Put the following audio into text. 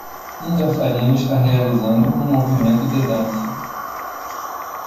Um dançarino está realizando um movimento de dança.